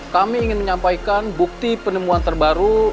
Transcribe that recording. kami ingin menyampaikan bukti penemuan terbaru